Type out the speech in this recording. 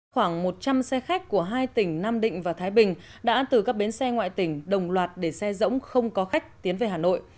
khoảng một trăm linh xe khách của hai tỉnh nam định và thái bình đã từ các bến xe ngoại tỉnh đồng loạt để xe rỗng không có khách tiến về hà nội